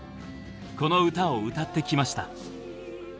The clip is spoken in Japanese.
この歌を歌ってきました。